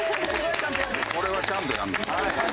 これはちゃんとやんのな。